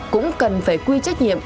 cũng cần phải quy trách nhiệm